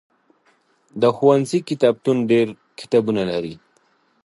د ښوونځي کتابتون ډېر کتابونه لري.